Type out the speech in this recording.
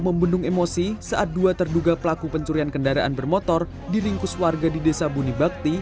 membendung emosi saat dua terduga pelaku pencurian kendaraan bermotor diringkus warga di desa bunibakti